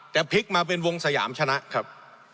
แต่พลิกมาเป็นวงสยามชนะครับ